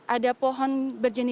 ada pohon berjenisnya